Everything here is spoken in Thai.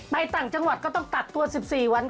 ไปต่างจังหวัดก็ต้องตัดเตอร์สิบสี่วัน